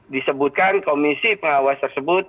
disebutkan komisi pengawas tersebut